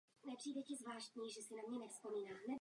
Představuje se jako Michael Allan Jones.